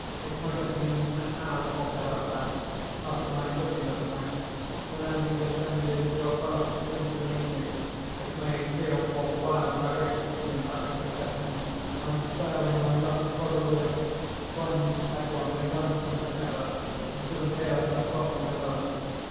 It might have been an hour, or thereabout, after my quitting the smack, when, having descended to a vast distance beneath me, it made three or four wild gyrations in rapid succession, and, bearing my loved brother with it, plunged headlong, at once and forever, into the chaos of foam below.